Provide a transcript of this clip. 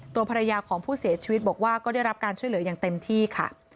ตัวภรรยาของผู้เสียชีวิตบอกว่าก็ได้รับการช่วยเหลืออย่างเต็มที่ค่ะ